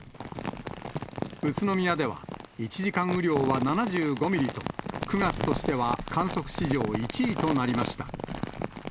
宇都宮では、１時間雨量は７５ミリと、９月としては観測史上１位となりました。